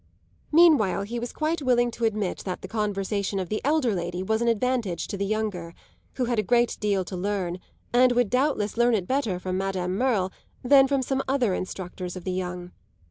Meanwhile he was quite willing to admit that the conversation of the elder lady was an advantage to the younger, who had a great deal to learn and would doubtless learn it better from Madame Merle than from some other instructors of the young.